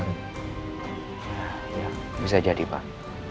ya bisa jadi pak